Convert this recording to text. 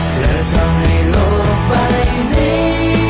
จะทำให้โลกใบนี้